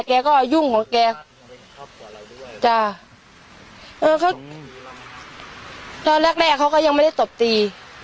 แกก็ยุ่งของแกจ้าเออเขาแล้วแรกแรกเขาก็ยังไม่ได้สบตี